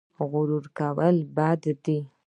غرور کول بد دي